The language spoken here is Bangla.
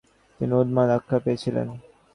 তিনি 'উন্মাদ' আখ্যা পেয়েছিলেন।